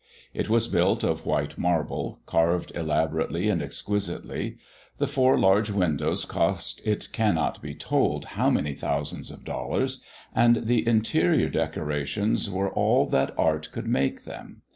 It was built of white marble, carved elaborately and exquisitely; the four large windows cost it cannot be told how many thousands of dollars, and the interior decorations were all that art could make them.